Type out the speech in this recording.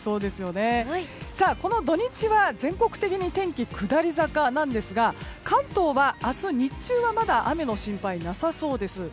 この土日は全国的に天気、下り坂なんですが関東は明日日中はまだ雨の心配、なさそうです。